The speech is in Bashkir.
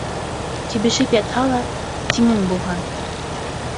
Тибешеп ятһа ла, тиңең булһын.